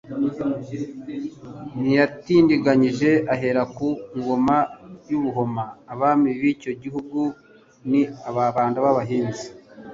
Ntiyatindiganyije ahera ku Ngoma y'u Buhoma Abami b'icyo gihugu ni Ababanda b'Abahinza.